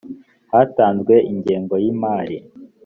hatanzwe ingengo yimari